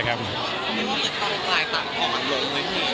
คุณคิดว่ามันต้องกลายต่างอ่อนลงอย่างนี้